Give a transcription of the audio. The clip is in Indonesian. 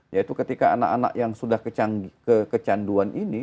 yaitu ketika anak anak yang sudah kecanduan ini